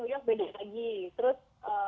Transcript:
new york beda lagi terus